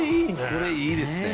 これいいですね。